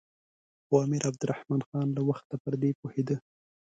خو امیر عبدالرحمن خان له وخته پر دې پوهېده.